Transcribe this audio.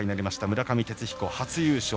村上哲彦、初優勝。